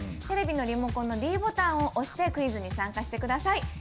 テレビのリモコンのｄボタンを押してクイズに参加してください。